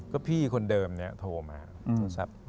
ก็พี่คนเดิมเนี่ยโทรมาโทรศัพท์